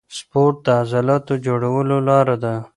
سپورت د عضلاتو جوړولو لاره ده.